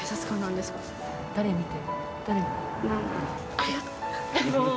ありがとう。